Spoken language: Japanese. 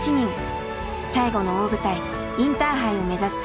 最後の大舞台インターハイを目指す